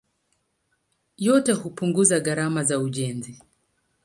Yote hupunguza gharama za ujenzi.